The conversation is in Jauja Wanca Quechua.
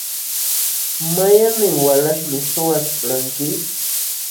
¿Mayqannin walaśhmi suwaśhulqanki?